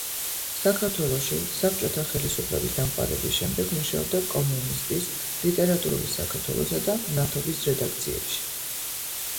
საქართველოში საბჭოთა ხელისუფლების დამყარების შემდეგ მუშაობდა „კომუნისტის“, „ლიტერატურული საქართველოსა“ და „მნათობის“ რედაქციებში.